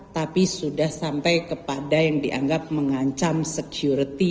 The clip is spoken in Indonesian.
tapi sudah sampai kepada yang dianggap mengancam security